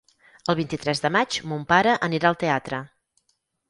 El vint-i-tres de maig mon pare anirà al teatre.